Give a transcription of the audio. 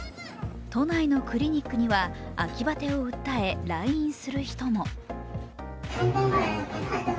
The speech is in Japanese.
都内のクリニックには秋バテを訴え来院する人も。